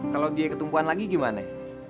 kalo dia ketumpuan lagi gimana